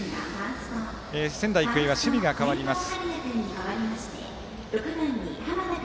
仙台育英、守備が代わります。